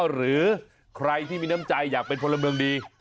หรือใครที่มีน้ำใจอยากเป็นพลเมืองดี